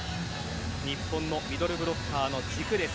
日本のミドルブロッカーの軸です。